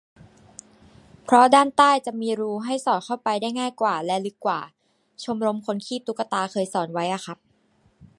เพราะด้านใต้จะมีรูให้สอดเข้าไปได้ง่ายและลึกกว่า - ชมรมคนคีบตุ๊กตา เคยสอนไว้อะครับ